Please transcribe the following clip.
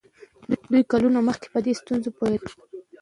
دوی کلونه مخکې په دې ستونزه پوهېدل.